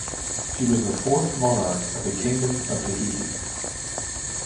She was the fourth monarch of the Kingdom of Tahiti.